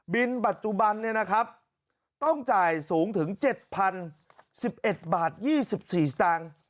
ปัจจุบันต้องจ่ายสูงถึง๗๐๑๑บาท๒๔สตางค์